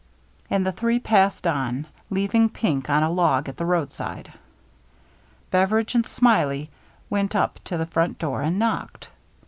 And the three passed on, leaving Pink on a log at the roadside. Beveridge and Smiley went up to the front door and knocked.